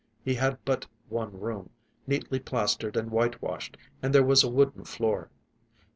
He had but one room, neatly plastered and whitewashed, and there was a wooden floor.